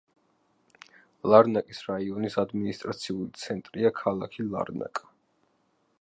ლარნაკის რაიონის ადმინისტრაციული ცენტრია ქალაქი ლარნაკა.